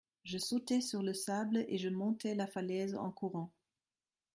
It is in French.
Je sautai sur le sable et je montai la falaise en courant.